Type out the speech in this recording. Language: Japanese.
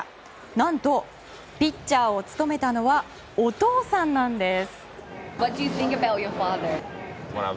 何と、ピッチャーを務めたのはお父さんなんです。